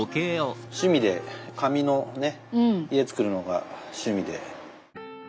趣味で紙の家作るのが趣味で。